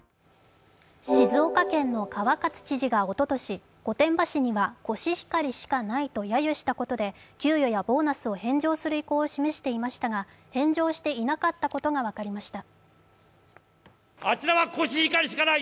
静岡県の川勝知事がおととし、御殿場市にはコシヒカリしかないとやゆしたことで、給与やボーナスを返上する意向を示していましたが返上していなかったことが分かりました。